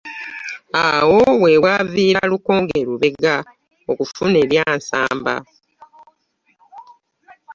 Awo we waviira Lukonge Lubega okufuna erya Nsamba.